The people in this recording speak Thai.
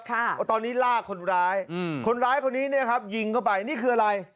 ตอนนี้ลากคนร้ายคนร้ายคนนี้เนี่ยครับยิงเข้าไปนี่คืออะไร